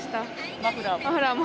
マフラーも。